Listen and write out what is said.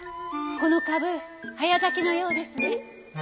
この株早咲きのようですね。